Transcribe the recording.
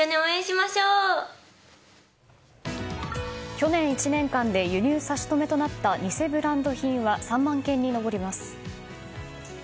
去年１年間で輸入差し止めとなった偽ブランド品は３万件に上ります。